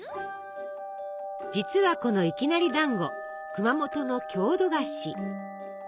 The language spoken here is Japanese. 実はこのいきなりだんご熊本の郷土菓子。